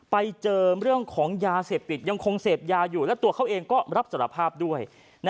ไปเจอเรื่องของยาเสพติดยังคงเสพยาอยู่และตัวเขาเองก็รับสารภาพด้วย